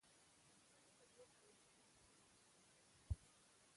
هغه د طبیعت په یو ځواک باندې حاکم شو.